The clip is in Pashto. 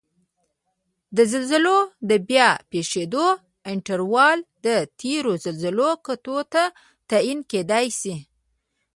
د زلزلو د بیا پېښیدو انټروال د تېرو زلزلو کتو ته تعین کېدای شي